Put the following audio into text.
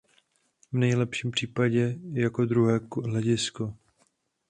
V nejlepším případě jako druhé hledisko.